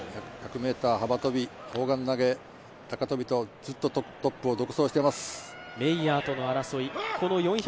１００ｍ、幅跳、砲丸投とずっとトップを独走しています。